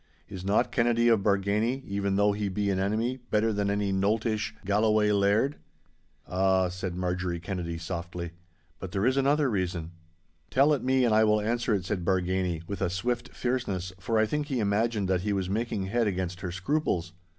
Is not Kennedy of Bargany, even though he be an enemy, better than any noltish Galloway laird?' 'Ah,' said Marjorie Kennedy, softly, 'but there is another reason—' 'Tell it me and I will answer it,' said Bargany, with a swift fierceness, for I think he imagined that he was making head against her scruples.